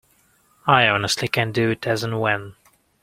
I honestly can do it as and when.